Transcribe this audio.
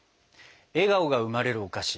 笑顔が生まれるお菓子